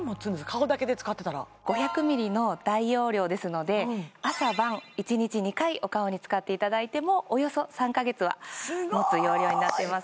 顔だけで使ってたら５００ｍｌの大容量ですので朝晩１日２回お顔に使っていただいてもおよそ３か月はもつ容量になっています